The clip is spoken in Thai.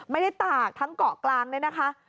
ไม่ได้ปากทั้งเกาะกลางด้วยนะคะ